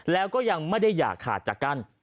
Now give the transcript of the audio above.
แล้วก็ยังไม่ได้อย่าขาดจากกัน